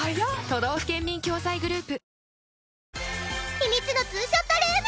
秘密のツーショットルーム。